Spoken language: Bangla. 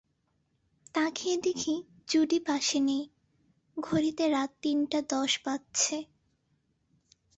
তাকিয়ে দেখি জুডি পাশে নেই, ঘড়িতে রাত তিনটা দশ বাজছে।